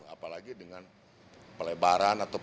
apalagi dengan pelebaran atau